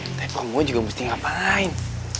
nanti promo juga mesti ngapain